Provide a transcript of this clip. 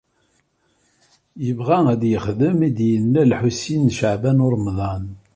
Yebɣa ad t-yexdem i d-yenna Lḥusin n Caɛban u Ṛemḍan.